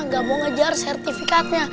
gak mau ngejar sertifikatnya